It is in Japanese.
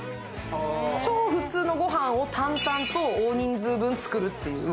超普通の御飯を淡々と大人数分作るという。